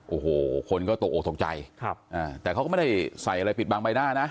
โอ้โหคนก็ตกออกตกใจครับอ่าแต่เขาก็ไม่ได้ใส่อะไรปิดบางใบหน้านะ